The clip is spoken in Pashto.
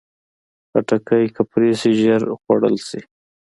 خټکی که پرې شي، ژر خوړل شي.